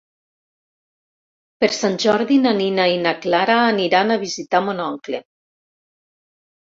Per Sant Jordi na Nina i na Clara aniran a visitar mon oncle.